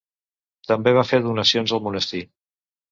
També va fer donacions al monestir.